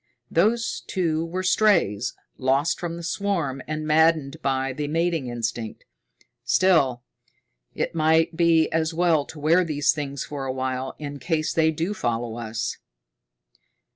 "Those two were strays, lost from the swarm and maddened by the mating instinct. Still, it might be as well to wear these things for a while, in case they do follow us."